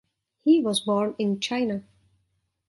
He was born in China.